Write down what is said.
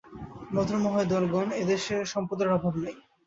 ভদ্রমহোদয়গণ, এদেশে সম্প্রদায়ের অভাব নাই।